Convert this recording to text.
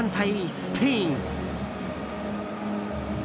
スペイン。